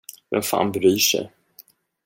Vem fan bryr sig?